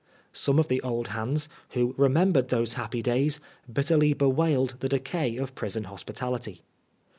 Some of the old hands, who remembered those happy days, bitterly bewailed the decay of prison hospitality.